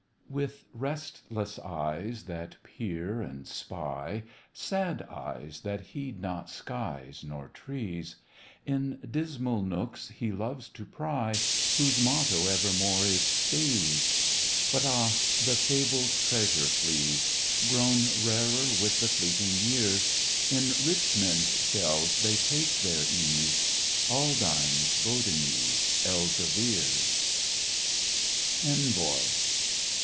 With restless eyes that peer and spy, Sad eyes that heed not skies nor trees, In dismal nooks he loves to pry, Whose motto ever more is Spes! But ah! the fabled treasure flees; Grown rarer with the fleeting years, In rich men's shelves they take their ease, Aldines, Bodonis, Elzevirs! ENVOY.